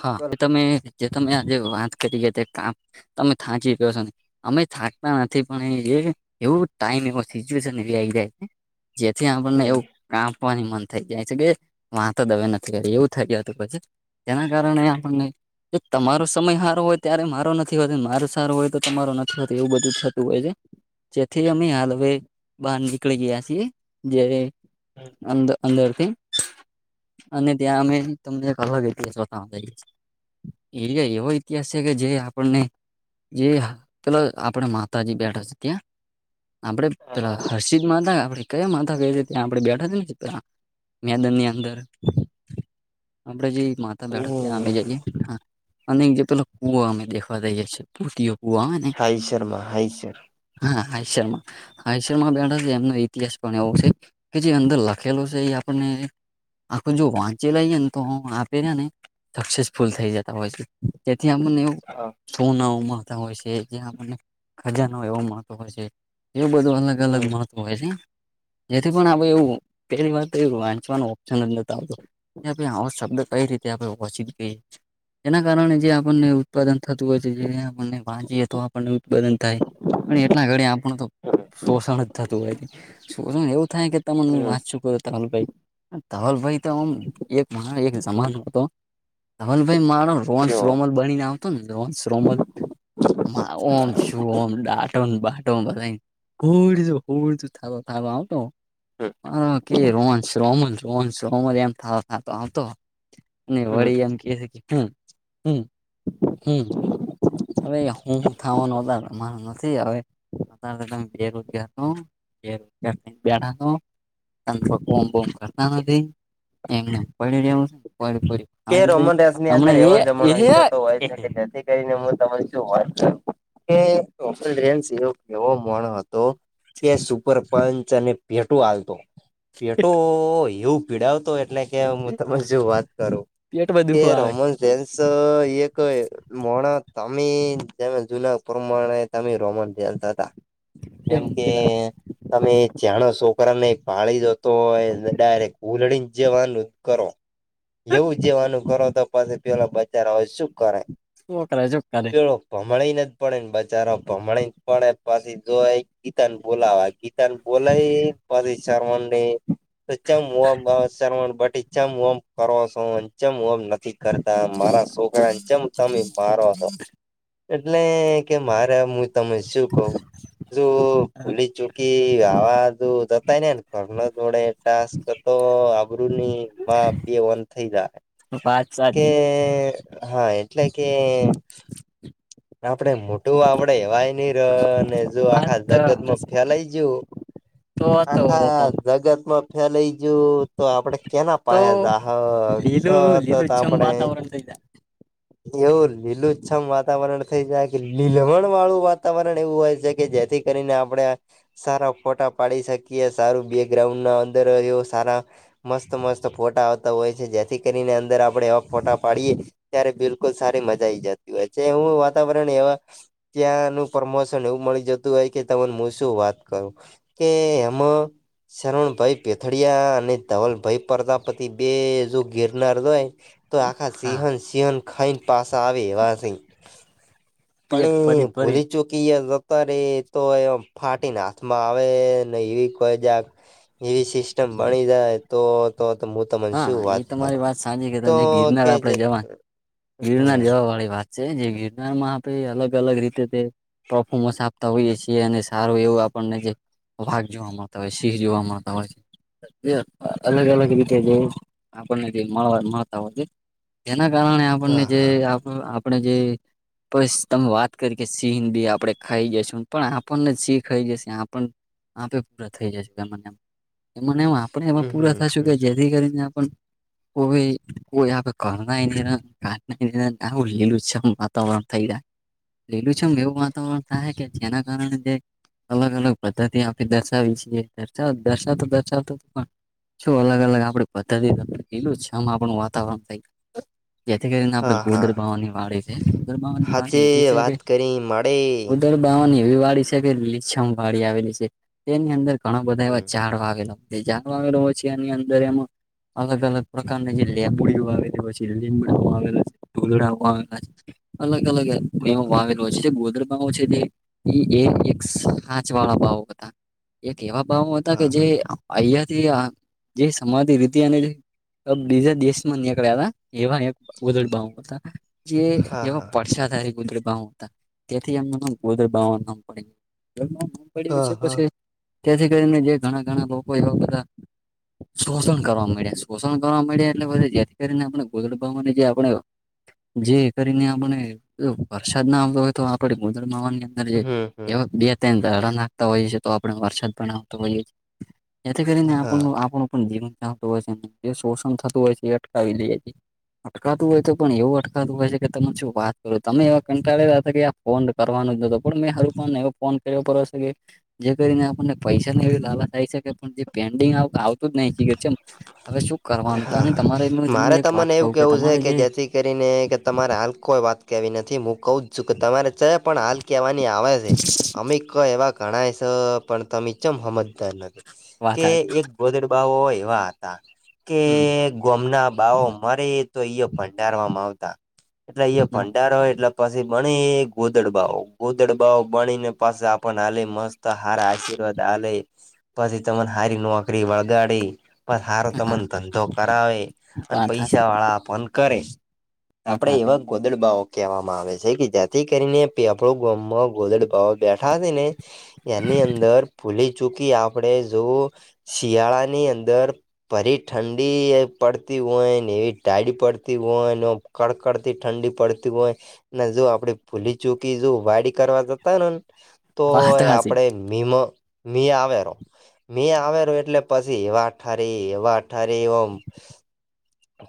હા એ બોલો તમે જે તમે આજે વાત કરી કામ તમે થાંચી ગ્યો છો ને અમે થાકતા નથી પણ એવ ટાઈમ એવ સિચ્યુએશન એવી આવી જાય છે. જેથી આપણને એવું હમ કામવાની મન થઈ જાય છે કે વા તો દવે નથી કરી એવું થઈ ગય હતું પછી જેના કારણે આપણને તમારો સમય સારો હોય ત્યારે મારો નથી હોતો માર સારું હોય તો તમારો નથી હોતો એવું બધું થતું હોય છે. જેથી અમે હાલ હવે બહાર નીકળી ગયા છીએ જે અ અંદરથી અને ત્યાં અમે તમને એક અલગ તા જઈએ છે એરિયા એવો ઇતિહાસ છે કે જે આપણને જે પે આપણે તજી બેઠો છે ત્યાં આપડે હા પેલા હર્ષિદમાં હતા આપડે કયા માથા ક છે ત્યાં આપડે બેઠા ને ત મેદાન ની અંદર આપડે જે માતા બેડ ત્યાં હમ અ જઈએ અને એક જે પેલો કુવો અમે દેખવા દઈએ છીએ પૂતીઓ પવા અને હાઈ શર્મા હાઈ સર હ આ શમાં હસરમાં બેઠ છે એમનો ઇતિહાસ પણ એવો છે કે જે અંદર લખેલો છે એ આપણને આખ જો વાંચે લઈએ ને તો હ ને સક્સેસફુલ થઈ જતા હોય છે જેથી અમને હા સોના ઉ મારતા હોય છે જ્યા આપને ખજાનો એવો મહત્વ હોય છે એવ બધું અલગ અલગ મહત્વ હોય છે. જેથી પણ આપ એવું પહેલી વાર તો એવું વાંચવાનો ઓપ્શન જ ન આવતો કે આવો શબ્દ કઈ રીતે આપણે વંચી જ ગઈ એના કારણે જે આપણને ઉત્પાદન થતું હોય છે જે આપને વાીએ તો આપણને ઉત્પાદન થાય. અને એટલા ઘડી આપણું તો શોષણ જ થતું હોય. શર એવું થાય કે ત તમામું વાચું કર તલ ભાઈ તલ ભાઈ તોમ એક મહ એક સમાન હતો રમલભાઈ મારો રોહનસ રોમલ બનીને આવતો ને રોહન શ રોમલ મા ઓમ શું ઓમ ડાટો બાટો બધા હોળ હોળ જોું થા થા આવઉતો હ કે રોંશ રોમ રોંશ રોમન એમ થતો થતો આવતો ને વળી એમ કે છે કે હમ હમ હવે હું થવાનું હતારા નથી હવે તમે બેરોજગાર છ બેરોજગાર થ બેઠા છ તમે બહુ ફોન બોન કરતા નથી. એમનેમ પડી રહેવું છે. પડ્યું પડ્યું કે રોમન રસ ની અંદર એવો જમણ ઈતો હોય એ છે કે જેથી કરીને હું તમને એની શું વાત કરું. કે કૌશલ રેન્સ એવો કેવો મોણ હતો. કે સુપરપંચ અને પેટો ચાલતો પેટો એવું પીડાવતો એટલે કે હું તમન શું વાત કરું પેટમાં કે દુખવા આવે રોમન જેન્સ એક એ મોણ તમે તમે જુના પ્રમાણે તમે રોમન રેન્સ હતા. એમ જેમ કે પેલા તમે એ ચણો છોકરાને પાળી દો તોય ડાયરેક ઉલડીને જવાનું કરો. એવું જવાનું કરો તો પાસે પેલા બચારો હવે શું કરે. છોકરા શું કરે. ભમણી ને જ પડે ને બચારો ભમણી પડે પછી જો ગીતા ને બોલાવા ગીત તા ને બોલાઈ પછ શર્માન ને તો ચ શર્માન બટી ચમ ઓમ કરો શો ને ચમ ઓમ નથી કરતા મારા શોક રા ને ચમ તમે મારો છો. એટલે કે મારે મું તમે શું કઉં જો ભૂલી ચૂકી આવા દો જતા રયા ન ઘરના જોડે ટાસ્ક તો આબરૂની માં બે વન થઈ જાહે. વાત કે સાચી હા એટલે કે આપડે મોઢું આવડે એવાય નહીં ર ને જો વાત આખા તો હશે જગતમાં ફેલાય ગયું તો તો આખા જગતમાં ફેલાઈ ગયું તો આપડે કેના તો પાયા જાહ. લીલું તો તો લીલું તો છમ આપણે વાતાવરણ થઈ જાય એવું લીલુછમ વાતાવરણ થઈ જાય કે લીલમણ વાળું વાતાવરણ એવું હોય છે કે જેથી કરીને આપડે સારા ફોટા પાડી શકીએ. સારું બેગ્રાઉન્ડના અંદર એવા સારા મસ્ત મસ્ત ફોટા આવતા હોય છે. જેથી કરીને અંદર આપણે એવા ફોટા પાડીએ ત્યારે બિલકુલ સારી મજા આઈ જતી હોય છે. એવું વાતાવરણ એવા ત્યાંનું પ્રમોશન એવું મળી જતું હોય કે તમને હું શું વાત કરું. કે એમ શરણભાઈ પેથડીયા અને ધવલભાઈ પ્રજાપતિ બે જો ગિરનાર જાય. તો આખા હા સિંહણ. સિંહણ ખઈ ને પાસા આવે એવા સે. પણ પેટ ભરી એ ભરી ભૂલી ચૂકીએ જતા ર તો એ ફાટીને હાથમાં આવે ને એવી કોઈ જ એવી સિસ્ટમ મણી જાય. તો તો મું તને હા શું એ વાત તમારી કરું વાત સાચી કે તો તમે ગિરનાર કે આપડે જેથ ગિરનાર જવા વાળી વાત છે જે ગિરનાર માં આપે અલગ અલગ રીતે તે પ્રફોમસ આપ તા હોઈએ છીએ અને સારું એવું આપણને જે વાઘ જોવા મળતા હોય, સિંહ જોવા મળતા હોય છે. જે અલગ અલગ હમ રીતે જે આપણને જે મળવા મળતા હોય છે. જેના કારણે આપણને હા જે હા આપ આપણે જે પસ તમે વાત કરી કે સિંહ બી આપણે ખાઈ જશું પણ આપણને જ સિંહ ખાઈ જશે આપણ આપે પૂરા થઈ જશું એમાં ને એમ એમને એમ આપણે હવે હમ પૂરા હમ થાશું હમ કે કરી ન આપણને કોઈ કોઈ આપે ઘરના એ [inaudible] આવું લીલુછમ વાતાવરણ થઈ જાય. લીલુંછમ એવું વાતાવરણ થાય કે જેના કારણે તે અલગ અલગ પદ્ધતિ આપે દર્શાવી છીએ. દર્શાવ દર્શાવતો દર્શાવતો પણ શું અલગ અલગ અલગ આપણે પદ્ધતિ લીલુછમ આપણું વાતાવરણ થઈ ગયું. જેથી કરીને આપડે હા હા ગોદરબાવાની વાડી. ગોદર બાવાની વાડી એવી હાચે છે કે વાત કરી મળે ઉદરબવાની એવી વાડી છે. કે તે લીલીછમ વાડી આવેલી છે. તેની અંદર ઘણા બધા એવા હમ ઝાડ વાવેલા હોય. તે ઝાડ આવેલા હોય છે. એની અંદર એમાં અલગ અલગ પ્રકારની જે લેમડીઓ આવેલી પછી લીમડાઓ આવેલા છે ઢોલડા આવેલા છે. અલગ અલગ એવ વાવેલો છે જે ગોધરા ભાવો છે એક સાાંચ વાળા ભાવો હતા. એક એવા ભાવો હતા કે હા જે અહંયાથી જે સમાધિ રીતે અને બીજા દેશમાં નીકળ્યા હતા એવા એક ગોદડ ભાવ હતા. જે હા એમાં હા પડસાધારી ગુદરબાઓ થીમમડીમ પડી હા પછ હા તેથી કરીને જે ઘણા ઘણા લોકો એ હતા શોષણ કરવા યા શોષણ કરવા ડ્યા એટલે જેથી કરીને આપણે ગોદ ભાવને જે આપણે જે કરીને આપણે વરસાદ ના આવતો હોય તો આપણે ગોદ માવાની અંદર હમ એ હમ બે ત્રણ દડા નાખતા હોઈએ છીએ તો આપડ વરસાદ પણ આવતો હોઈએએ જેથી કરીને હા આપણ આપણું પણ જીવન ચાલતું હોય છે જે શોષણ થતું હોય છે એ અટકાવી લઈએએ અટકાતું હોય તો પણ એવું અટકાતું હોય છે કે તમે શું વાત કરો તમે એવા કંટાળેલા હતા કે ફોન કરવાનું જ નતો પણ મેં હરને એવો ફોન કર્યો પ હશે કે જે કરીને આપણને પૈસા એ લાાલ થ આવી શકે પણ જે પેન્ડિંગ આવતું જ નહી હવે શું કરવાનું અને હા તમારે એમ હ તમને મારે એક ત વાત મને એવું કહું કેવું છે તમારે કે જે જેથી કરીને તમારે હાલ કોઈ વાત કેવી નથી હું કહું જ છું કે તમારે ચ પણ હાલ કહેવાની આવે છે અમ ક એવા ગણાય છે પણ તમે ચમ સમજદાર નથી વાત કે એક ગોધેડ બાો હોય વા હતા કે હમ ગમના બાાવો મરે તો એયો ભંડારવામાં આવતા એટલે અ ભંડારો હોય એટલે પાછી બને એ ગોધડબાઓ ગોધડબાઓ બની ને પાછ આપને હાલે મસ્ત તો હારા આર્શીર્વાદ આલેે પછ તમન હારીિ નોકરી બળગાડી બ સારો હા તમને ધંધો કરાવે અને વાત હાચી પૈસા વાળા પણ કરે વાત આપણે હાચી એવા ગોદડબાઓ કહેવામાં આવે છે કે જાથી કરીને પેપળો ગામમાં ગોદડ બેઠા હતી ને એની અંદર ભૂલી ચુકી આપ આપડણે જોવું શિયાળા ની અંદર ફરી ઠંડી પડતી હોયને એવી ટાડી પડતી હોયને કર કરતી ઠંડી પડતી હોય ને જો આપડી ભૂલી ચૂકી જો વાડી કરવા જતા નેને તો વાત હાચી આપડે મી મી આવેરો મી આવેરો એટલે પછી એવા ઠારે એવા ઠારે એવ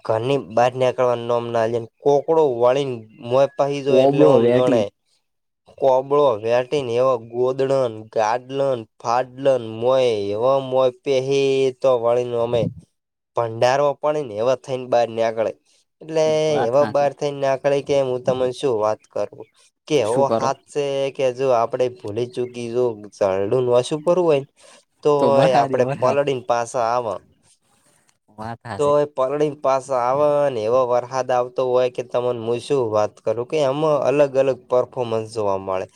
ઘરની બહાર નીકળવાનું નમ ના કોકડો વળીને મો પહી જો એટલે કોબળો હુંમ વેટી જોણાય કોબળો વેટીન એવા ગોદડન ગાડલન ફાડલન મોય એવા મોય પે તો વળી ન અમે ભંડારો પડી ને એવા થઈને બાર ને આગળ એટલે વાત એવા હાચી બાર થઈને નાકળે કેું તને શું વાત કરું કેો શું કરો હાથ કે જો આપડે ભૂલી ચુકી જો ઝડું ઓછું કરવું હોય ને તો વરહાદે આપડે વરહાદ પલળને પાસા આવે વાત તો હાચી પલળ પાસે આવેને એવો વરસાદ આવતો હોય કે તર મુસ વાત કરું કે આમાં અલગ અલગ પરફોર્મન્સ જોવા મળે.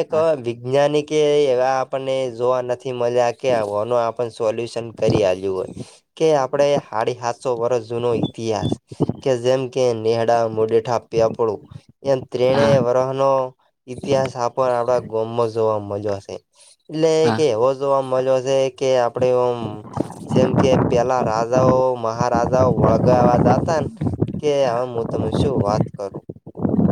એક હા વિૈજ્ઞાનિક એ એવા આપણને જોવા નથી મજા કે ઘનો આપ સોલ્યુશન કરી્યું હોય કે આપડે હડી સાસો વર્ષ જૂનો ઈતિહાસ કે જેમ કે નેહડા મોડેઠા પ્યા પડું એમ ત્રણે હા વર્ષ નો ઇતિહાસ આપ આપડા ગમમો જોવા મજો હશે એટલે કે એવો જોવા મજો હશે કે આપડેમ જેમ કે પેલા રાજાઓ મહારાજાઓ વણઝારા જતા ને કે હ હું તમે શું વાત કરું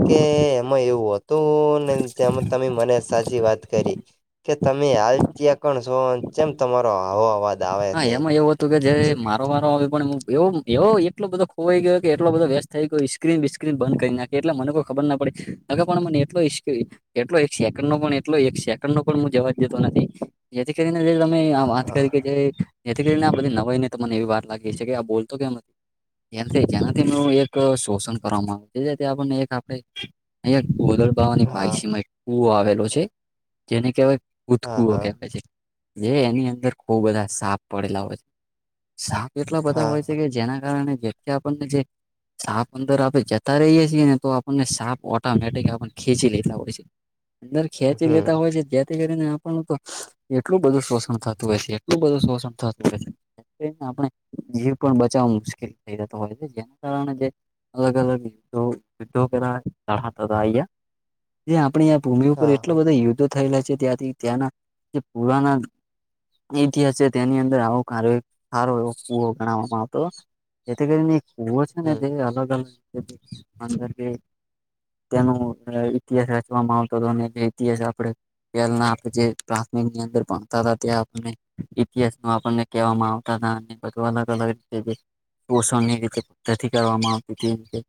કે એમાં એવું હતું ને જેમાં તમે મને સાચી વાત કરી. કે તમે હાલચ્યા કણ છો ચેમ તમારો આવો અવાજ આવે હા છે એમાં એવું હતું કે જે મારો વારો આવ્યો પણ એવ એવો એટલો બધો ખોવાઈ ગયો કે એટલો બધો વ્યસ્ત થઈ કોઈ સ્ક્રીન બિસ્ક્રીન બંધ કરી નાખે એટલે મને કોઈ ખબર ના પડે અગે પણ મને એટલો એટલો એક સેકન્ડ નો પણ એટલો એક સેકન્ડ નો પણ જવા જ જતો નથી જેથી કરીને જે તમે વાત હા કરી કે જે જેથી કરીને આ બધી નવાઈ ને તો મને એવી વાત લાગી છે કે આ બોલતો કેમ જેથી જેનાથી ન એક શોષણ કરવામાં આવ આપણને એક આપણે [unintelligible] ની હા માસીમાં એક કુવો આવેલો છે જેને કહેવાય ભૂત હા કૂવો હા કહેવાય છે. જે એની અંદર ખુબ બધા સાપ પડેલા હોય છે. શાપ એટલા બધા હા હોય છે હા કે જેના કારણે જેકે આપણને જે સાપ અંદર આપણેે જતા રહીએ છીએ ને તો આપણને સાપ ઓટોમેટિક આપને ખેંચી લેતા હોય છે. અંદર ખેંચી હમ લેતા હોય છે જેથી કરીને આપણું તો એટલું બધું શોષણ થતું હોય છે. એ બધું શોષણ થતું છે. કરીને આપણે જીવ પણ બચાવવા મુશ્કેલ થઈ જતો હોય છે જેના કારણે જે અલગ અલગ [unintelligible] જે આપણી આ ભૂમિ ઉપર હા એટલો હા બધા યુદ્ધ થયેલા છે ત્યાંથી ત્યાંના પુરાના ઇતિહાસ છે તેની અંદર આવો કાર સારો એ કુવો ગણાવવામાં આવતો જેથી કરીને ઓ છે એ હમ તે અલગ અલગ અંદર તેનો ઇતિહાસ રચવામાં આવતો હતો અને જે ઇતિહાસ આપણે આપે જે પ્રાથમિક ની અંદર ભણતા તા ત્યા. ઇતિહાસ નું આપણને કહેવામાં આવતા હતા અને બધું અલગ અલગ રીતે પોષણની રીતે પ્તિ કરવામાં આવતી તીતી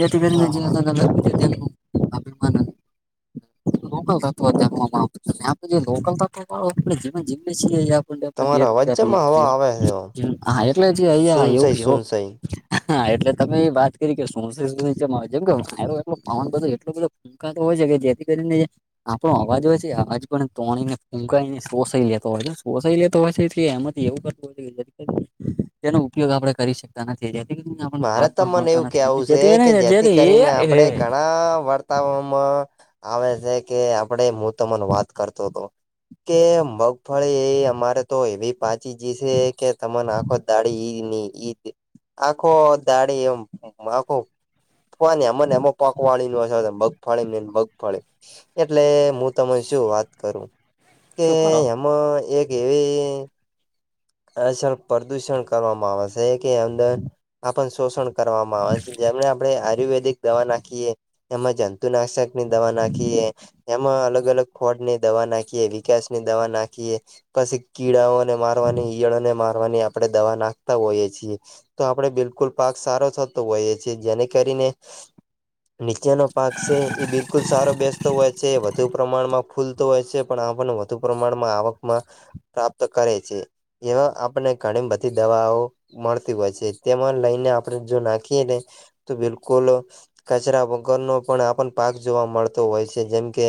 જેથી કરીને હા જે હા અલગ અલગ અભિમાન લોકલ [unintelligible] આપે તમારા અવાજ જેમાં બેરોજગારીએ હવા આવે છે હા એટલે જ અયા સુનસાઈ એવું એવો સુનસાઈ હા એટલે તમે એ વાત કરી કે [unintelligible] વાયરો પવન બધ એટલો બધો કા તો હોય છે કે જેથી કરીને આપણો અવાજ હોય છે અવાજ પણ તોણીને ફૂંકાઈને શોષાઈ જા તો હય શોષાઈ લેતો હોય છે એટલે એમાંથી એવું કરતું હોય છે કે એનો ઉપયોગ આપડે કરી શકીએ નથી જેથી કરીને મારે લાભ તો પણ મને મળતા એવું નથી અને કહેવું જેથી કરીને જેથી [unintelligible] આ વાત વામાં આવે છે કે આપડે મુ તમને વાત કરતો હતો કે મગફળી એ અમારે તો એવી પાચી જીશે કે તમે નાખો દાડીઈ ની ઈદ આખો દાડી એમ આખો પાકવા એમ ને એમાં પાકવાળી ન મગ ફળે ને મગ ફળી એટલે હું તને શું વાત કરું કે શું કરો એમાં એક એવી અસ પ્રદુષણ કરવામાં આવે છે કે અંદર આપણ શોષણ કરવામાં આવે છે જેમને આપણે આયુર્વેદિક દવા નાખીએ એમાં જંતુનાશક ની દવા નાખીએ એમાં અલગ અલગ ફોડની દવા નાખીએ વિકાસની દવા નાખીએ પછી કીડાઓને મારવાની ઈયળોને મારવાની આપડે દવા નાખતા હોઈએ છીએ. તો આપણેે બિલકુલ પાક સારો થતો હોઈએ છીએ જેને કરીને નીચેનો પાક છે એ બિલકુલ સારો બેસતો હોય છે વધુ પ્રમાણમાં ખુલતો હોય છે પણ આપણને વધુ પ્રમાણમાં આવકમાં પ્રાપ્ત કરે છે. એમાં આપણે ઘણી બધી દવાઓ મળતી હોય છે તેમાં લઈને આપણે જો નાખીએ ને તો બિલકુલ કચરા વગરનો પણ આપણ પાક જોવા મળતો હોય છે જેમ કે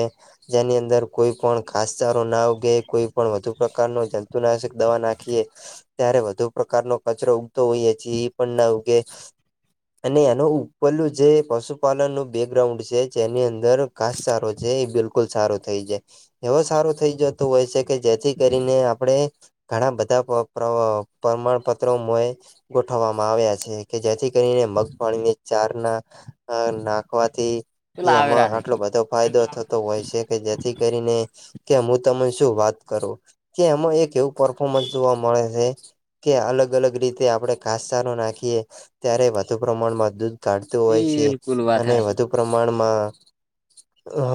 જેની અંદર કોઈ પણ ઘાસચારો ના ઉગે કોઈ પણ વધુ પ્રકાર નો જંતુ નાશક દવા નાખીએે ત્યારે વધુ પ્રકારનો કચરો ઉગતો હોઈએ જે એ પણ ના ઉગે [unintelligible] અને એનો ઉપરલું જે પશુપાલન નું બેકગ્રાઉન્ડ છે જેની અંદર ઘાસચારો છે એ બિલકુલ બીલકુલ સારું થઈ જાય એવો સારું થઈ જતું હોય છે કે જેથી કરીને આપણે ઘણા બધા પ્ર પ્ર પ્રમાણ પત્રો ગોઠવવામાં આવ્યા છે. કે જેથી કરીને મગફળીને ચાર ના નાખવાથી એ પેલા એમાં આવેરા છે આટલો બધો ફાયદો થતો હોય છે કે જેથી કરીને કે હું તને શું વાત કરું કે એમાં એક એવું પરફોર્મન્સ જોવા મળે છે. કે અલગ અલગ રીતે આપડણે ઘાસચારો નાખીએ ત્યારે વધુ પ્રમાણમાં દૂધ કાઢતું હોય છે બિલકુલ વાત અને હાચી વધુ પ્રમાણમાં હ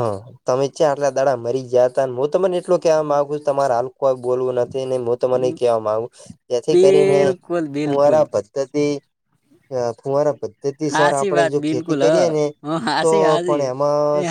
તમે ચ્યા આટલા દાડા મરી જયા તા હું તમને એટલું કહેવા માંગુ છું તમારે હાલ કોઈ બોલવું નથીને તો મને કહેવા આવ જેથી કરીને બિલકુલ બિલકુલ કુંવારા તદી ફુવારા પધ તેથી સર હાચી આપડે વાત જો ખેતી બિલકુલ કરીએ હ ને તો હાચી હાચી પણ એમાં એ સા